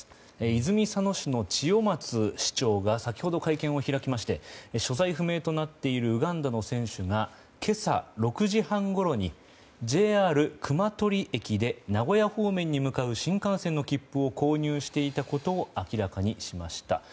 泉佐野市の千代松市長が先ほど会見を開きまして所在不明となっているウガンダの選手が今朝６時半ごろにＪＲ熊取駅で名古屋方面に向かう新幹線の切符を購入していたことを明らかにしました。